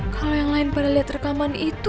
kalau yang lain pada lihat rekaman itu